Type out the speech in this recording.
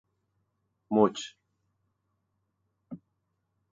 مچ